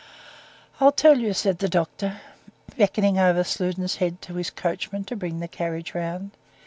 "I'll tell you," said the doctor, beckoning over Sludin's head to his coachman to bring the carriage round.